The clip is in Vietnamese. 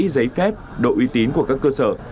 giấy phép độ uy tín của các cơ sở